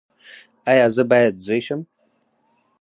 ایا زه باید زوی شم؟